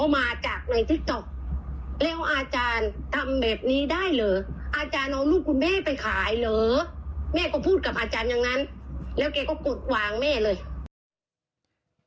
แม่ก็พูดกับอาจารย์อย่างนั้นแล้วแกก็กดวางแม่เลย